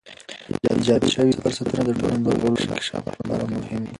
ایجاد شوی فرصتونه د ټولنې د غړو انکشاف لپاره مهم دي.